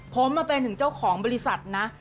ผมมาเป็นถึงเจ้าของบริษัทนะ